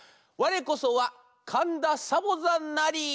「われこそはかんだサボざんなり」。